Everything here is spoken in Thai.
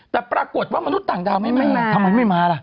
แต่ปรากฏว่ามนุษย์ต่างดาวไม่มาทำไมไม่มาล่ะ